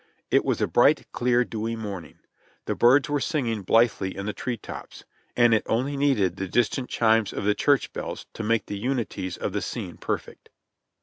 It was a bright, clear, dewy morning; the birds were singing blithely in the tree tops, and it only needed the distant chimes of the church bells to make the unities of the scene perfect.